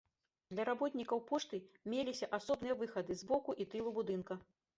Для работнікаў пошты меліся асобныя выхады з боку і тылу будынка.